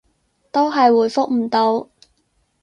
都係回覆唔到